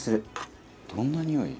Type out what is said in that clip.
「どんなにおい？」